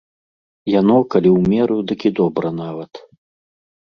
Яно, калі ў меру, дык і добра нават.